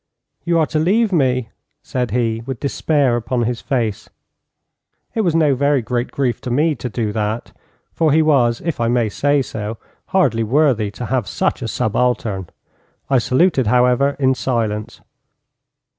'You are to leave me,' said he, with despair upon his face. It was no very great grief to me to do that, for he was, if I may say so, hardly worthy to have such a subaltern. I saluted, however, in silence.